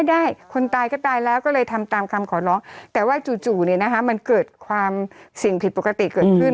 ได้คนตายก็ตายแล้วก็เลยทำตามคำขอร้องแต่ว่าจู่เนี่ยนะคะมันเกิดความสิ่งผิดปกติเกิดขึ้น